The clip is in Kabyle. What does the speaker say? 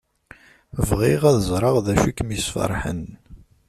Bɣiɣ ad ẓreɣ d acu i kem-isefraḥen!